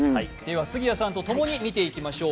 杉谷さんとともに見ていきましょう。